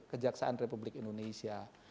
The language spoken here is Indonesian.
kejaksaan republik indonesia